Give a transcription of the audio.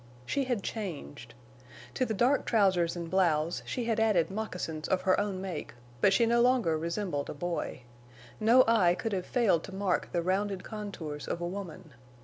She had changed. To the dark trousers and blouse she had added moccasins of her own make, but she no longer resembled a boy. No eye could have failed to mark the rounded contours of a woman.